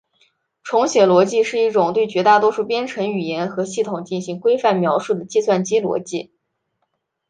重写逻辑是一种对绝大多数编程语言和系统进行规范描述的计算机逻辑。